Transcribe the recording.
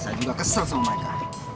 saya juga kesel sama mereka